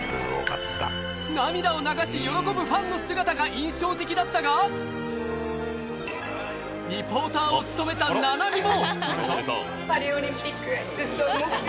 涙を流し喜ぶファンの姿が印象的だったが、リポーターを務めた菜波も。